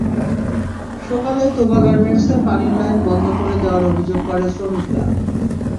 সকালে তোবা গার্মেন্টসে পানির লাইন বন্ধ করে দেওয়ার অভিযোগ করে শ্রমিকরা।